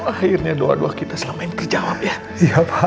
akhirnya doa doa kita selama ini terjawab ya